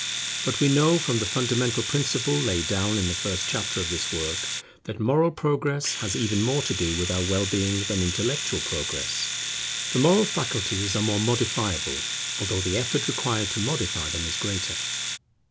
But we know from the fundamental principle laid down in the first chapter of this work, that moral progress has even more to do with our well being than intellectual progress. The moral faculties are more modifiable, although the effort required to modify them is greater.